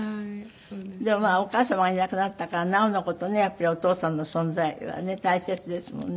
でもまあお母様がいなくなったからなおの事ねやっぱりお父さんの存在はね大切ですもんね。